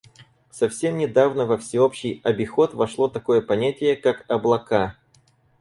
Совсем недавно во всеобщий обиход вошло такое понятие как «облака».